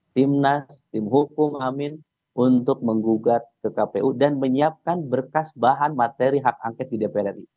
timnas tim hukum amin untuk menggugat ke kpu dan menyiapkan berkas bahan materi hak angket di dpr ri